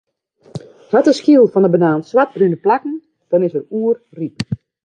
Hat de skyl fan 'e banaan swartbrune plakken, dan is er oerryp.